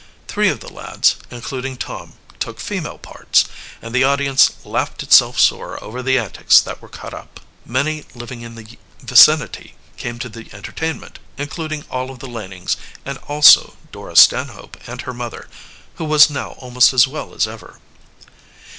Three of the lads, including Tom, took female parts, and the audience laughed itself sore over the antics that were cut up. Many living in the vicinity came to the entertainment; including all of the Lanings and also Dora Stanhope and her mother; who was now almost as well as ever.